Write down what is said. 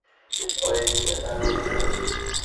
ঐ বিষয় তাঁহার গোপনে রাখা উচিত।